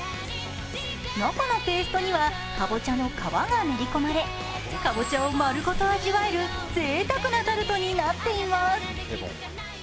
中のペーストには、かぼちゃの皮が練り込まれかぼちゃをまるごと味わえるぜいたくなタルトになっています。